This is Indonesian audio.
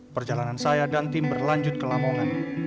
perjalanan saya dan tim berlanjut ke lamongan